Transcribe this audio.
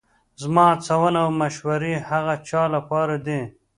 زما هڅونه او مشورې هغه چا لپاره دي